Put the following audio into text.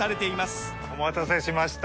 お待たせしました